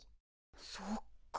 そっか。